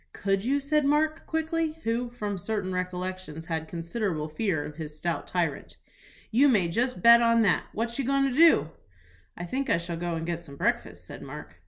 "Could you?" said Mark, quickly, who, from certain recollections, had considerable fear of his stout tyrant. "You may just bet on that. What you goin' to do?" "I think I shall go and get some breakfast," said Mark.